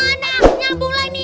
mana nyambung lah ini